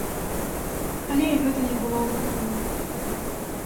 Але і гэта не было выканана.